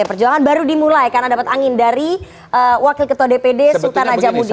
perjuangan baru dimulai karena dapat angin dari wakil ketua dpd sultan ajamudin